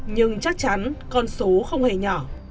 nhưng chắc chắn con số không hề nhỏ